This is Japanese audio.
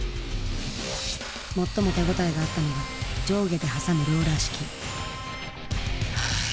最も手応えがあったのが上下で挟むローラー式。